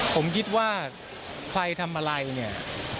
ผมคิดว่าใครทำอะไรเนี่ย